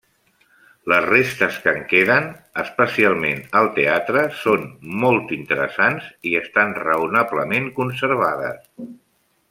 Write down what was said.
Les restes que en queden, especialment el teatre, són molt interessants i estan raonablement conservades.